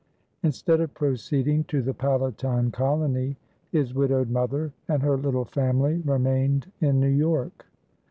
Instead of proceeding to the Palatine colony, his widowed mother and her little family remained in New York.